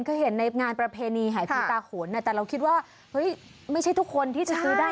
คือเห็นในงานประเพณีหายผีตาโขนแต่เราคิดว่าเฮ้ยไม่ใช่ทุกคนที่จะซื้อได้